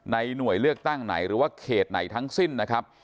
หน่วยเลือกตั้งไหนหรือว่าเขตไหนทั้งสิ้นนะครับ